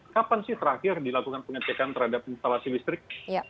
kapan sih terakhir dilakukan pengecekan terhadap instalasi listrik